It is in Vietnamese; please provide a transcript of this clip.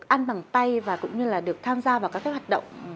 ăn bằng tay và cũng như là được tham gia vào các cái hoạt động